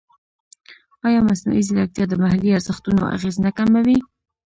ایا مصنوعي ځیرکتیا د محلي ارزښتونو اغېز نه کموي؟